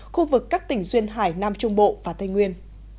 khu vực các tỉnh duyên hải nam trung bộ và tây nguyên